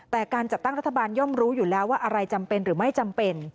แต่การจัดตั้งรัฐบาลย่อมรู้อยู่แล้วว่าอะไรจำเป็นหรือไม่จำเป็น